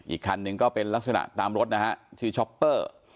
อีกคันหนึ่งก็เป็นลักษณะตามรถนะฮะชื่อช็อปเปอร์